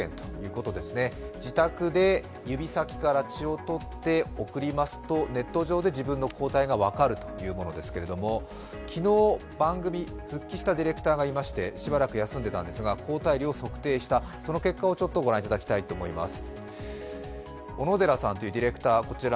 自宅で指先から血をとって送りますとネット上で自分の抗体が分かるというものですが昨日番組復帰したディレクターがいましてしばらく休んでたんですが抗体量を測定したその結果を御覧いただきたいと思います。